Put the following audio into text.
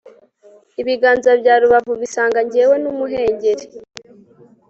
Ibiganza bya rubavu bisanga Njyewe numuhengeri